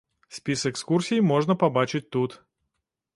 Спіс экскурсій можна пабачыць тут.